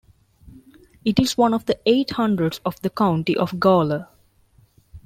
It is one of the eight hundreds of the County of Gawler.